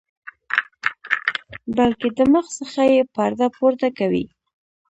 بلکې د مخ څخه یې پرده پورته کوي.